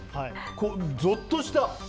ぞっとした。